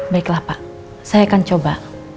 baiklah pak saya akan coba